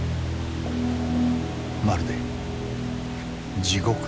まるで地獄の門。